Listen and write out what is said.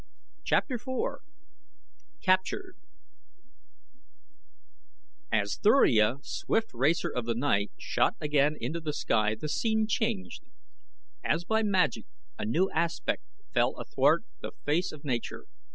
CHAPTER IV CAPTURED As Thuria, swift racer of the night, shot again into the sky the scene changed. As by magic a new aspect fell athwart the face of Nature.